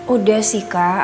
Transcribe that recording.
udah sih kak